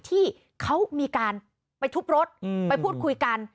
ที่เขามีการไปทุบรถไปพูดคุยกัน